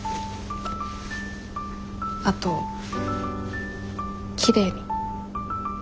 あときれいに。